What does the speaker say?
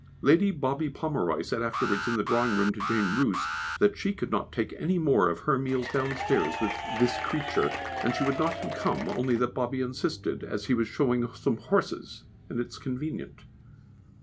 Lady Bobby Pomeroy said afterwards in the drawing room to Jane Roose that she should not take any more of her meals downstairs with this "creature;" and she would not have come only that Bobby insisted, as he was showing some horses, and it is convenient.